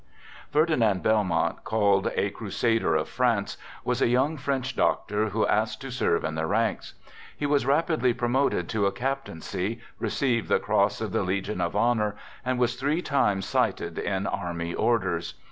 Ferdinand Belmont, called "A Crusader of France," was a young French doctor who asked to serve in the ranks. He was rapidly promoted to a captaincy, received the Cross of the Legion of Honor, and was three times cited in army orders.